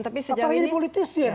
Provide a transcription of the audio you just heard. tapi sejauh ini